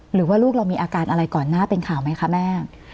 หรือว่าลูกเรามีอาการอะไรก่อนหน้าเป็นข่าวไหมคะแม่